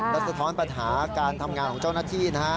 และสะท้อนปัญหาการทำงานของเจ้าหน้าที่นะฮะ